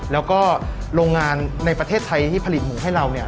แล้วก็โรงงานในประเทศไทยที่ผลิตหมูให้เราเนี่ย